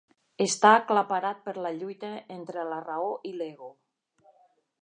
Està aclaparat per la lluita entre la raó i l'ego.